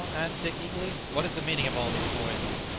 asked Dick eagerly; "what is the meaning of all this noise?"